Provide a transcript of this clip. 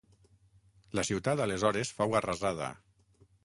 La ciutat aleshores fou arrasada.